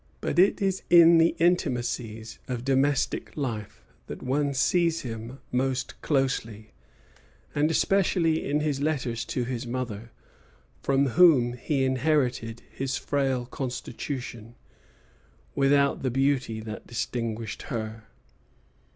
But it is in the intimacies of domestic life that one sees him most closely, and especially in his letters to his mother, from whom he inherited his frail constitution, without the beauty that distinguished her.